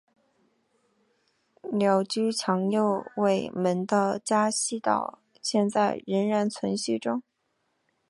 鸟居强右卫门的家系到现在仍然存续中。